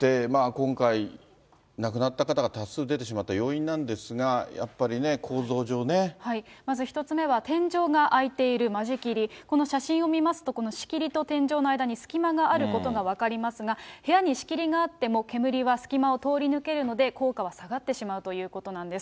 今回、亡くなった方が多数出てしまった要因なんですが、やっまず１つ目は天井が開いている、間仕切り、この写真を見ますと、この仕切りと天井の間に隙間があることが分かりますが、部屋に仕切りがあっても、煙が隙間を通り抜けるので、効果は下がってしまうということなんです。